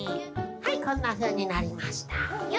はいこんなふうになりました。